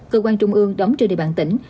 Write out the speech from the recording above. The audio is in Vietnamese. cơ quan trung ương đóng trừ địa bàn tỉnh